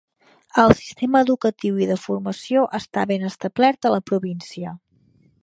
El sistema educatiu i de formació està ben establert a la província.